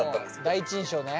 第一印象ね。